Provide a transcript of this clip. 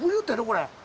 これ。